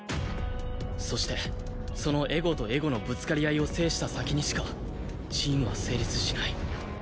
そしてそのエゴとエゴのぶつかり合いを制した先にしかチームは成立しない。